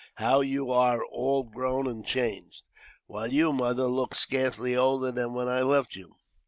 "How you are all grown and changed, while you, Mother, look scarcely older than when I left you.